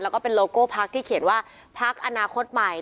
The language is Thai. แล้วก็เป็นโลโก้พักที่เขียนว่าพักอนาคตใหม่